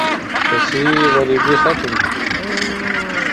تسی غربیۡ ختم بِھلیۡ۔